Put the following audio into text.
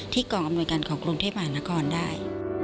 กองอำนวยการของกรุงเทพมหานครได้